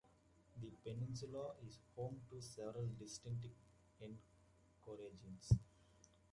The peninsula is home to several distinct ecoregions.